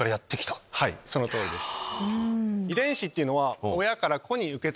はいその通りです。